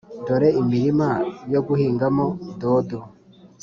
dore imirima yo guhingamo dodo